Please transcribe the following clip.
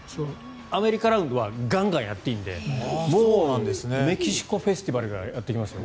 アメリカラウンドはガンガンやっていいのでメキシコフェスティバルがやってきますよ。